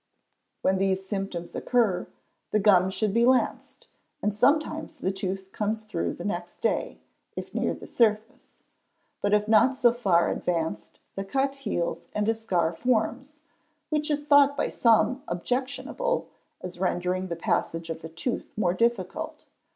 When these symptoms occur, the gum should be lanced, and sometimes the tooth comes through the next day, if near the surface; but if not so far advanced the cut heals and a scar forms, which is thought by some objectionable, as rendering the passage of the tooth more difficult.